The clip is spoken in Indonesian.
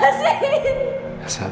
ini semua gara gara lo ya